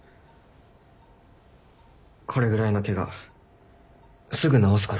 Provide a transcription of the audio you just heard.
これぐらいのケガすぐ治すから。